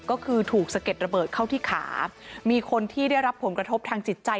ก็คือถูกสะเก็ดระเบิดเข้าที่ขามีคนที่ได้รับผลกระทบทางจิตใจ